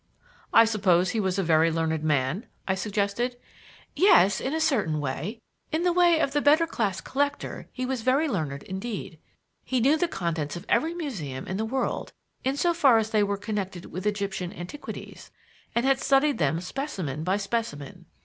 "I suppose he was a very learned man?" I suggested. "Yes, in a certain way; in the way of the better class collector he was very learned indeed. He knew the contents of every museum in the world, in so far as they were connected with Egyptian antiquities, and had studied them specimen by specimen.